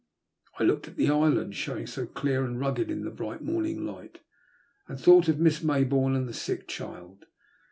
I looked at the island, showing so clear and rugged in the bright morning light, and thought of Miss May bourne and the sick child.